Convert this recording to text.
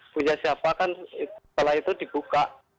punya siapa kan setelah itu dibuka